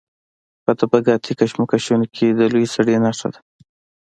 په طبقاتي کشمکشونو کې د لوی سړي نښه ده.